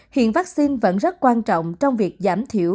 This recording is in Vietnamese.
hiện vaccine vẫn rất quan trọng trong việc giảm thiểu